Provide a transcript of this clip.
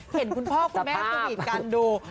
เห็นคุณพ่อคุณแม่สวีทกันดู